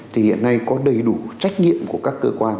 thì hiện nay có đầy đủ trách nhiệm của các cơ quan